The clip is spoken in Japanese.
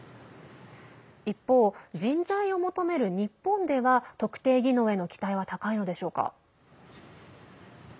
一方、人材を求める日本では特定技能への期待は高いのでしょうか。